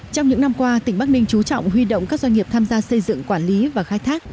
trong những năm qua tỉnh bắc ninh trú trọng huy động các doanh nghiệp tham gia xây dựng quản lý và khai thác